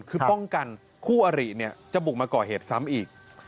คือป้องกันคู่อริจะบุกมาก่อเหตุซ้ำอีก